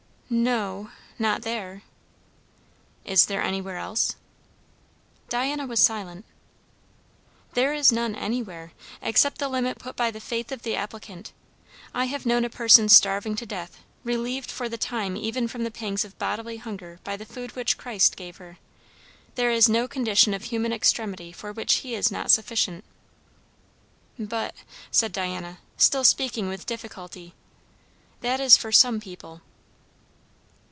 "N o; not there." "Is there anywhere else?" Diana was silent. "There is none anywhere, except the limit put by the faith of the applicant. I have known a person starving to death, relieved for the time even from the pangs of bodily hunger by the food which Christ gave her. There is no condition of human extremity for which he is not sufficient." "But," said Diana, still speaking with difficulty, "that is for some people."